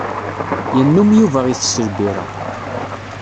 Yennum Yuba itess lbirra.